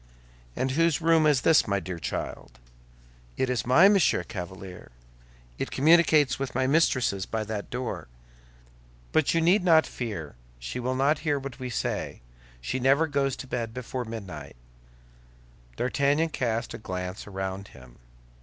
"And whose room is this, my dear child?" "It is mine, Monsieur Chevalier; it communicates with my mistress's by that door. But you need not fear. She will not hear what we say; she never goes to bed before midnight." D'Artagnan cast a glance around him.